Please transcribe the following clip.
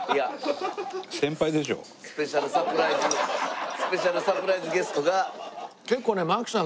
スペシャルサプライズスペシャルサプライズゲストが。